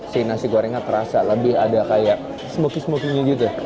si nasi gorengnya terasa lebih ada kayak smoky smoky nya gitu